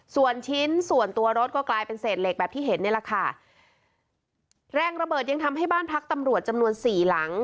ส่วนชิ้นส่วนตัวรถก็กลายเป็นเศษเหล็กแบบที่เห็นนี่แหละค่ะแรงระเบิดยังทำให้บ้านพักตำรวจจำนวนสี่หลัง